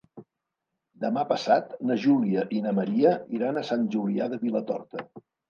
Demà passat na Júlia i na Maria iran a Sant Julià de Vilatorta.